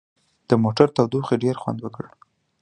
د موټر تودوخې ډېر خوند وکړ.